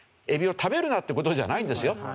エビを食べるなっていう事じゃないんですよ。